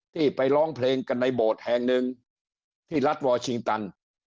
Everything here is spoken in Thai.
ที่ไปร้องเพลงกันในโบสถ์แห่งหนึ่งที่รัฐวอร์ชิงตัน